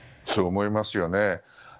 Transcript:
そう思いますよね。